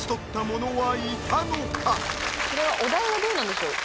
これはお題はどうなんでしょう？